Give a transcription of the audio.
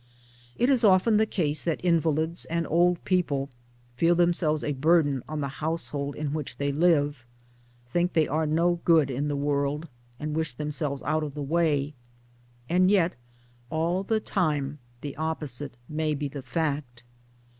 It is often the case that invalids and old people feel themselves a burden on the household in which they live, think they are no good in the world, and wish themselves out of the way ; and yet all the time the opposite may be the fact.